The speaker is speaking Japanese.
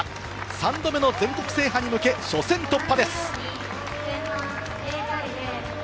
３度目の全国制覇に向け初戦突破です。